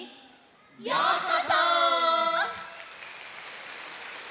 ようこそ！